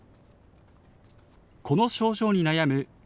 この症状に悩む笑